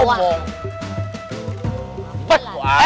tarik di daerah bawah